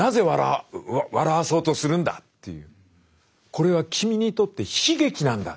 「これは君にとって悲劇なんだ。